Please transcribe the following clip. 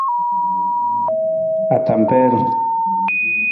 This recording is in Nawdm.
Atampeer.